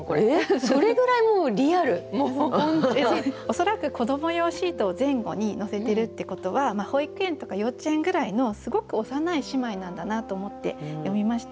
恐らく子ども用シートを前後に乗せてるってことは保育園とか幼稚園ぐらいのすごく幼い姉妹なんだなと思って読みました。